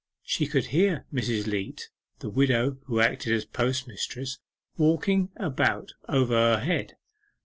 She could hear Mrs. Leat, the widow who acted as postmistress, walking about over her head.